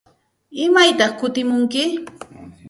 ¿Imaytaq kutimunki?